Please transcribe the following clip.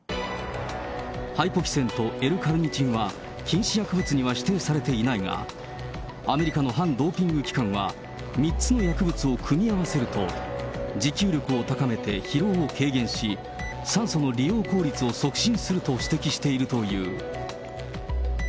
ハイポキセンとＬーカルニチンは、禁止薬物には指定されていないが、アメリカの反ドーピング機関は、３つの薬物を組み合わせると、持久力を高めて疲労を軽減し、酸素の利用効率を促進すると指摘しているという。